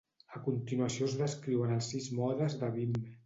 A continuació es descriuen els sis modes de Vim.